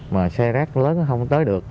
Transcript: mà xe rác lớn không tới được